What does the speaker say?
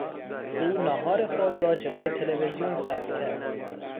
او ناهار خود را جلو تلویزیون صرف کرد.